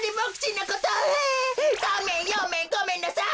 さんめんよんめんごめんなさい。